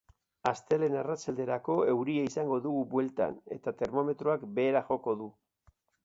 Astelehen arratsalderako euria izango dugu bueltan eta termometroak behera joko du.